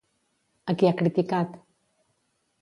A qui ha criticat?